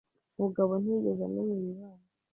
Bugabo ntiyigeze amenya ibibaye.